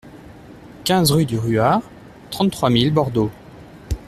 quinze rue de Ruat, trente-trois mille Bordeaux